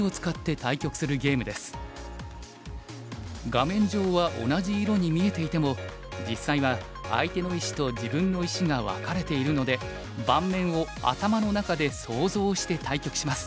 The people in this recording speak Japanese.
画面上は同じ色に見えていても実際は相手の石と自分の石が分かれているので盤面を頭の中で想像して対局します。